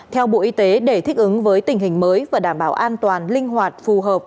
theo bộ y tế để thích ứng với tình hình mới và đảm bảo an toàn linh hoạt phù hợp